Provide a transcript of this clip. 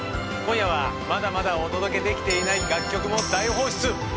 今夜はまだまだお届けできていない楽曲も大放出！